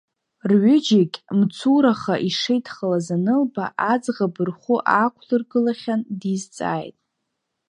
Рҩыџьегь мцураха ишеидхалаз анылба, аӡӷаб рхәы аақәлыргылахьан, дизҵааит.